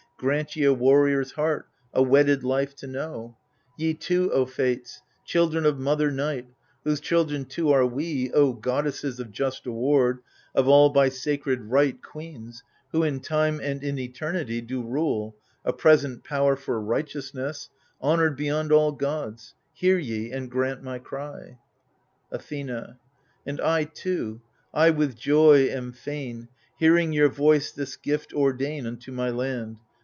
Grant ye a warrior's heart, a wedded life to know. Ye too, O Fates, children of mother Night, Whose children too are we, O goddesses Of just award, of all by sacred right Queens, who in time and in eternity Do rule, a present power for righteousness, Honoured beyond all Gods, hear ye and grant my cry I Athena And I too, I with joy am fain. Hearing your voice this gift ordain Unto my land.